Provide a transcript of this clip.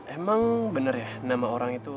emang bener ya nama orang itu